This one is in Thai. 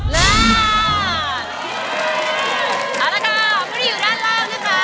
แล้วนะครับผู้ที่อยู่ด้านล่างนะคะ